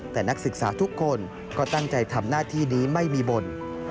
แต่นักศึกษาทุกคนก็ตั้งใจทำหน้าที่นี้ไม่มีบ่น